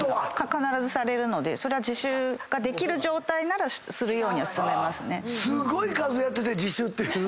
必ずされるのでそれは自首ができる状態ならするようには勧めますね。